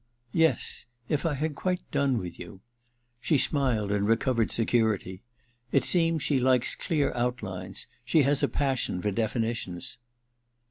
* Yes — if I had quite done with you.* She smiled in recovered security. *It seems she likes clear outline ; she has a passion for definitions.'